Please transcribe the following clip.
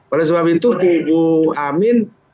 oleh sebab itu kubu amin